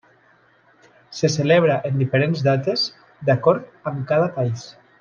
Se celebra en diferents dates d'acord amb cada país.